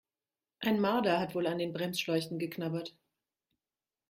Ein Marder hat wohl an den Bremsschläuchen geknabbert.